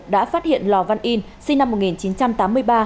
đã phát hiện lò văn in sinh năm một nghìn chín trăm tám mươi ba